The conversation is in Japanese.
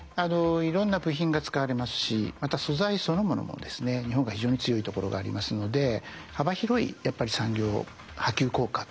いろんな部品が使われますしまた素材そのものもですね日本が非常に強いところがありますので幅広いやっぱり産業波及効果ってのがありますね。